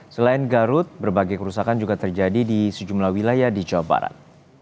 selain garut berbagai kerusakan juga terjadi di sejumlah wilayah di jawa barat